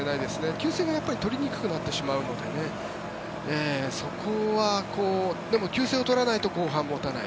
給水が取りにくくなってしまうのでそこはでも、給水を取らないと後半持たない。